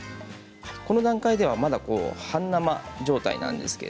この段階では半生状態です。